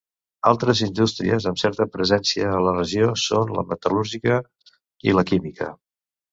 Altres indústries amb certa presència a la regió són la metal·lúrgica i la química.